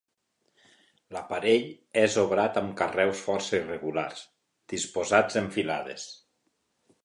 L'aparell és obrat amb carreus força irregulars disposats en filades.